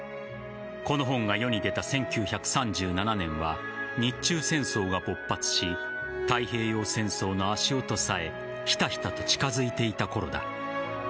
この本が世に出た１９３７年は日中戦争が勃発し太平洋戦争の足音さえひたひたと近づいていたころだ。